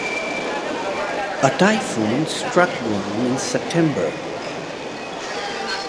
A typhoon struck Guam in September.